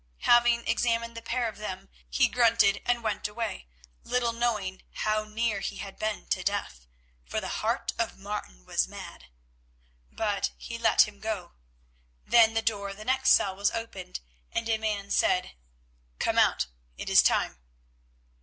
Having examined the pair of them he grunted and went away, little knowing how near he had been to death, for the heart of Martin was mad. But he let him go. Then the door of the next cell was opened, and a man said, "Come out. It is time."